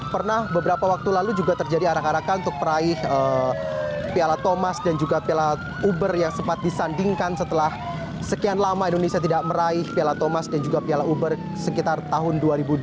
pernah beberapa waktu lalu juga terjadi arak arakan untuk peraih piala thomas dan juga piala uber yang sempat disandingkan setelah sekian lama indonesia tidak meraih piala thomas dan juga piala uber sekitar tahun dua ribu dua puluh